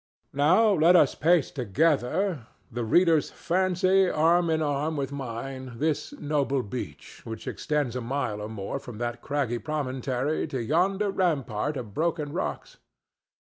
Now let us pace together—the reader's fancy arm in arm with mine—this noble beach, which extends a mile or more from that craggy promontory to yonder rampart of broken rocks.